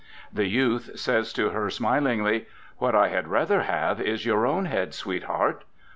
The youth says to her smilingly, "What I had rather have is your own head, sweetheart."